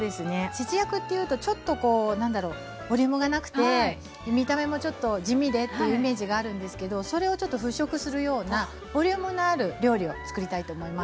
節約というとちょっとこう何だろうボリュームがなくて見た目もちょっと地味でっていうイメージがあるんですけどそれをちょっと払拭するようなボリュームのある料理をつくりたいと思います。